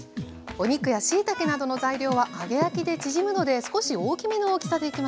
お肉やしいたけなどの材料は揚げ焼きで縮むので少し大きめの大きさでいきましょう。